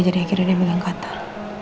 jadi akhirnya dia bilang katar